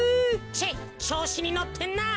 チェッちょうしにのってんなあ。